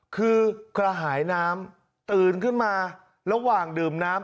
คือกระหายน้ำตื่นขึ้นมาระหว่างดื่มน้ำ